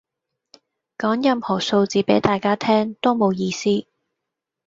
講任何數字俾大家聽都冇意思